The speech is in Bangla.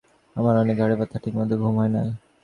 আমার অনেক ঘাড়ে ব্যথা, ঠিকমত ঘুম হয় না।